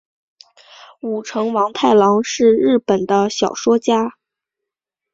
舞城王太郎是日本的小说家。